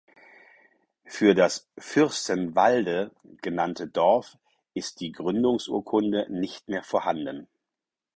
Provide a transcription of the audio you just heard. Für das "Fürstenwalde" genannte Dorf ist die Gründungsurkunde nicht mehr vorhanden.